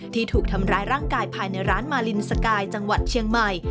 ถูกทำร้ายร่างกายภายในร้านมาลินสกายจังหวัดเชียงใหม่